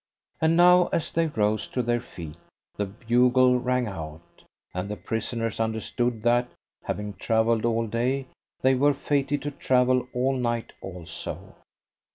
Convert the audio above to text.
And now as they rose to their feet the bugle rang out, and the prisoners understood that, having travelled all day, they were fated to travel all night also.